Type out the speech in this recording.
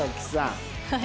はい。